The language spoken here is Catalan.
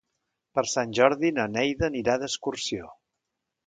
Per Sant Jordi na Neida anirà d'excursió.